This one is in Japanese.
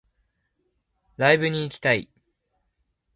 ライブに行きたい